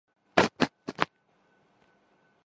Asian boxing championship Kazakhstan نے جیت لی